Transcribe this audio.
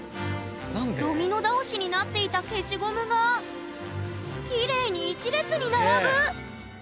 ドミノ倒しになっていた消しゴムがきれいに１列に並ぶ！